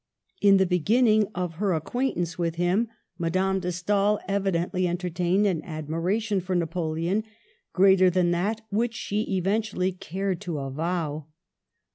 In the beginning of her acquaintance with him Madame Digitized by VjOOQLC MEETS NAPOLEON. 95 de Stael evidently entertained an admiration for Napoleon greater than that which she eventually cared to avow.